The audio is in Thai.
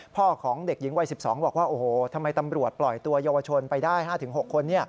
ของเด็กหญิงวัย๑๒บอกว่าโอ้โหทำไมตำรวจปล่อยตัวเยาวชนไปได้๕๖คน